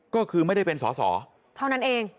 ก็คือไม่ได้เป็นสอสอเท่านั้นเอง